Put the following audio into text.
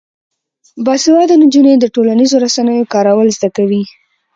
باسواده نجونې د ټولنیزو رسنیو کارول زده کوي.